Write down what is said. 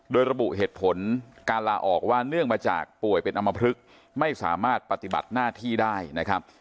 โดยระบุเหตุผลการลาออกว่าเนื่องมาจากป่วยเป็นอำมพลึกไม่สามารถปฏิบัติหน้าที่ได้นะครับ